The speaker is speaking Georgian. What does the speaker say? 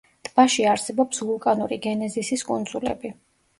ტბაში არსებობს ვულკანური გენეზისის კუნძულები.